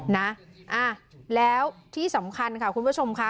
นะแล้วที่สำคัญค่ะคุณผู้ชมค่ะ